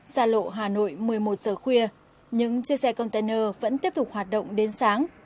xa lộ hà nội một mươi một giờ khuya những chiếc xe container vẫn tiếp tục hoạt động đến sáng